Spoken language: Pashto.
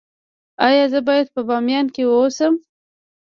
ایا زه باید په بامیان کې اوسم؟